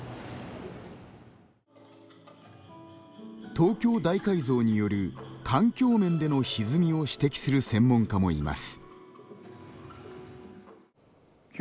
東京大改造による環境面でのひずみを指摘する専門家もいます。